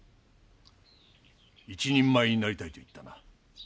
一人前になりたいと言ったな？